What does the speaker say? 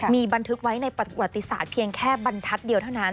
มีบันทึกไว้ในประวัติศาสตร์เพียงแค่บรรทัศน์เดียวเท่านั้น